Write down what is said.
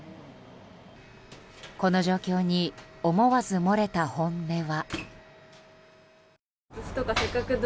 この状況に思わず漏れた本音は。